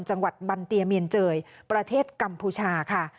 จังหวัดบันเตียเมียนเจยประเทศกัมพูชาค่ะ